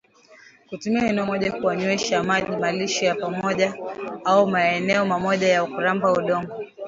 Kutumia eneo moja kuwanyweshwa maji malisho ya pamoja au maeneo mamoja ya kuramba udongo